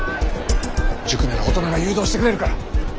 塾なら大人が誘導してくれるから。